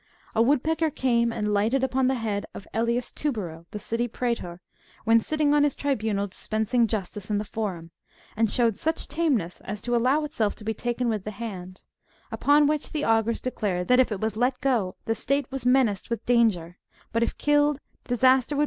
A woodpecker came and lighted upon the head of JElius Tubero, the City praetor, when sitting on his tribunal dispensing justice in the Forum, and showed such tameness as to allow itself to be taken with the hand ; upon which the augurs declared that if it was let go, the state was menaced with danger, but if killed, disaster would befall 67 See B.